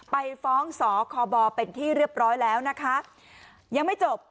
ไปฟ้องสคบเป็นที่เรียบร้อยแล้วนะคะยังไม่จบ